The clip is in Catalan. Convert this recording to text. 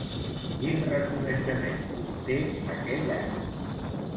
Quin reconeixement obté aquell any?